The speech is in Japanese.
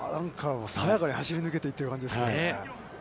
◆爽やかに走り抜けていった感じですね。